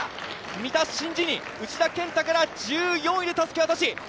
三田眞司に、内田健太から１４位でたすき渡し。